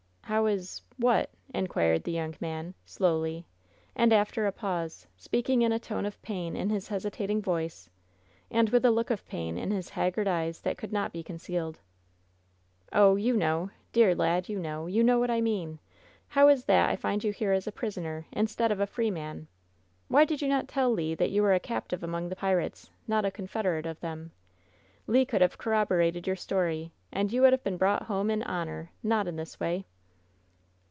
"How is — what?" inquired the young man, slowly, and after a pause, speaking in a tone of pain in his hesi tating voice, and with a look of pain in his haggard eyes that could not be concealed. "Oh, you know. Dear lad, you know! You know what I mean! How is that I find you here a prisoner, instead of a free man ? Why did you not tell Le that you were a captive among tli3 pirates, not a confederate of them? Le could have corroborated your story and you would have been brought home in honor, not in this way!"